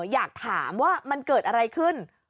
อยากถามว่ามันเกิดอะไรขึ้น